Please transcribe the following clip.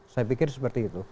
saya pikir seperti itu